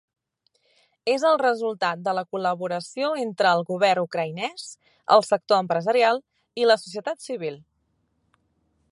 És el resultat de la col·laboració entre el govern ucraïnès, el sector empresarial i la societat civil.